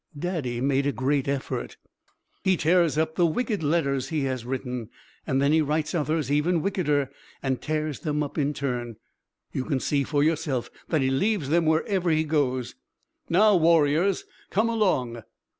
Daddy made a great effort. "He tears up the wicked letters he has written. Then he writes others even wickeder and tears them up in turn. You can see for yourself that he leaves them wherever he goes. Now, warriors, come along!"